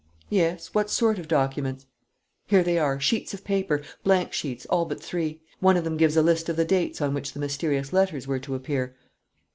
"Yes. What sort of documents?" "Here they are: sheets of paper, blank sheets, all but three. One of them gives a list of the dates on which the mysterious letters were to appear."